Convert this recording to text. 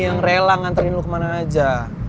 yang rela nganterin lu kemana aja